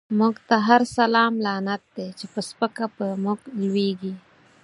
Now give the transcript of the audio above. موږ ته هر سلام لعنت دی، چی په سپکه په موږ لويږی